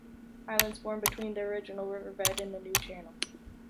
Islands formed between the original riverbed and the new channels.